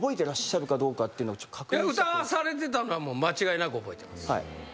歌わされてたのは間違いなく覚えてます。